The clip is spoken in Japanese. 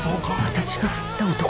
私が振った男たち？